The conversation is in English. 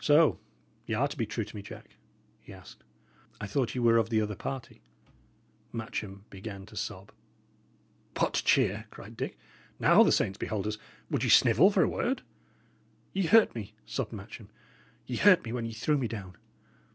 "So y' are to be true to me, Jack?" he asked. "I thought ye were of the other party." Matcham began to sob. "What cheer!" cried Dick. "Now the saints behold us! would ye snivel for a word?" "Ye hurt me," sobbed Matcham. "Ye hurt me when ye threw me down.